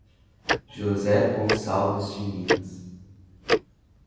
José Gonçalves de Minas